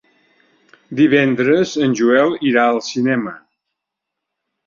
Divendres en Joel irà al cinema.